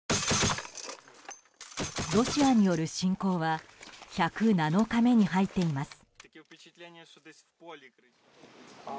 ロシアによる侵攻は１０７日目に入っています。